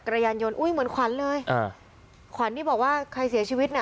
ยานยนอุ้ยเหมือนขวัญเลยอ่าขวัญที่บอกว่าใครเสียชีวิตน่ะ